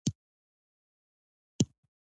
مجاهد د وطن ازادي غواړي.